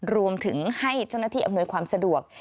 รวมถึงให้เจ้าหน้าที่อำนวยความสะดวก